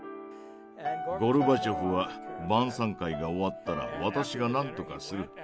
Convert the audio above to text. ゴルバチョフは「晩餐会が終わったら私が何とかする。